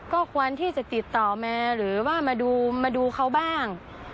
ก็ควรที่จะติดต่อมาหรือว่ามาดูเขาบ้าง